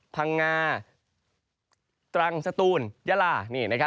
ภังงาตรังสตูนซุนยาร่า